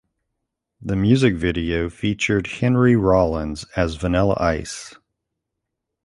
The music video featured Henry Rollins as Vanilla Ice.